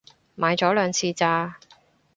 買咗兩次咋